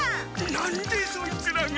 何でそいつらが！？